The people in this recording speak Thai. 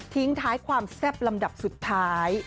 ท้ายความแซ่บลำดับสุดท้าย